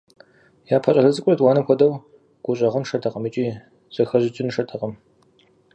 Япэ щӏалэ цӏыкӏур етӏуанэм хуэдэу гущӏэгъуншэтэкъым икӏи зэхэщӏыкӏыншэтэкъым.